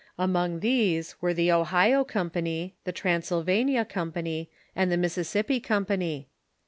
Among these Avere the Ohio Company, the Transylvania Company, and the Mississippi Company.